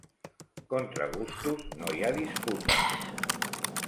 Contra gustos no hi ha disputes!